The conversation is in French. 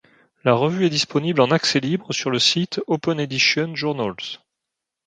La revue est disponible en accès libre sur le site OpenEdition Journals.